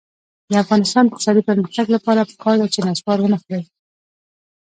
د افغانستان د اقتصادي پرمختګ لپاره پکار ده چې نصوار ونه خورئ.